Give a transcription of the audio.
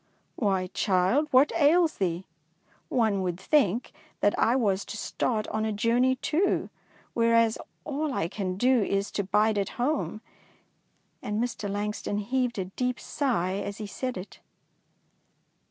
'' Why, child, what ails thee I One would think that I was to start on a journey too, whereas all I can do is to bide at home^'; and Mr. Langston heaved a deep sigh as he said it.